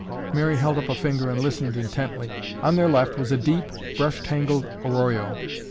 Mary held up a finger and listened intently. On their left was a deep brush tangled arroyo.